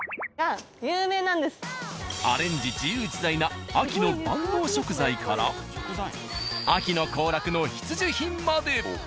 アレンジ自由自在な秋の万能食材から秋の行楽の必需品まで。